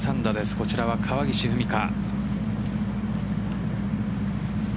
こちらは川岸史果。